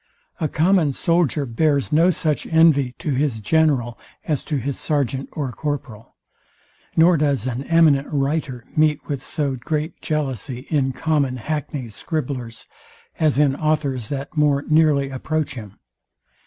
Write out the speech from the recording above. A common soldier bears no such envy to his general as to his sergeant or corporal; nor does an eminent writer meet with so great jealousy in common hackney scribblers, as in authors, that more nearly approach him.